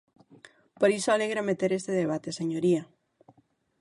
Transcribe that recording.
Por iso alégrame ter este debate, señoría.